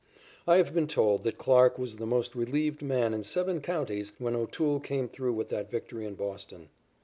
I have been told that Clarke was the most relieved man in seven counties when O'Toole came through with that victory in Boston.